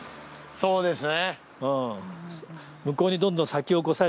そうですね。